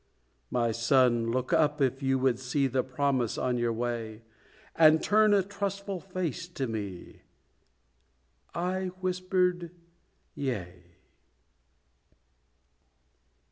"My son, look up, if you would see The Promise on your way, And turn a trustful face to me." I whispered "Yea."